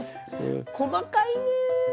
細かいねぇ。